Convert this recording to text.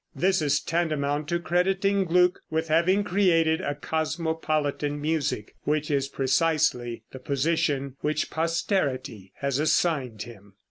This is tantamount to crediting Gluck with having created a cosmopolitan music which is precisely the position which posterity has assigned him.